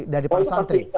dari para santri